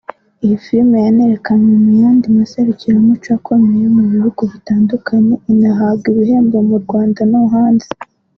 Iyi filime yanerekanwe mu yandi maserukiramuco akomeye mu bihugu bitandukanye inahabwa ibihembo mu Rwanda no hanze